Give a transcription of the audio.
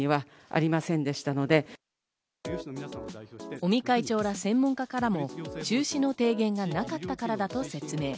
尾身会長ら専門家からも中止の提言がなかったからだと説明。